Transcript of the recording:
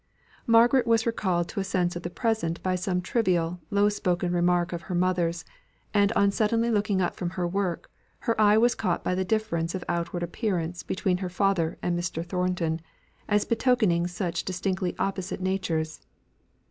Margaret was recalled to a sense of the present by some trivial, low spoken remark of her mother's; and on suddenly looking up from her work, her eye was caught by the difference of outward appearance between her father and Mr. Thornton, as betokening such distinctly opposite natures.